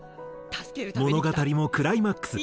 物語もクライマックス。